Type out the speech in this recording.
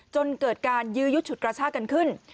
จนเกิดการยื้อยุดฉุดกระชากันขึ้น